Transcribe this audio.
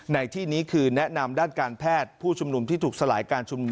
ในที่นี้คือแนะนำด้านการแพทย์ผู้ชุมนุมที่ถูกสลายการชุมนุม